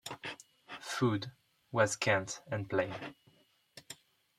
Food was scant and plain.